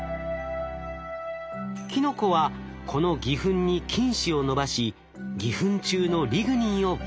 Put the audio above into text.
キノコはこの偽ふんに菌糸を伸ばし偽ふん中のリグニンを分解。